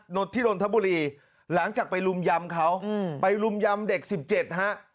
โนธิรณธบุรีหลังจากไปรุมยำเขาไปรุมยำเด็ก๑๗ฮะ